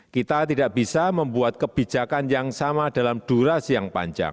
kita tidak bisa membuat kebijakan yang sama dalam durasi yang panjang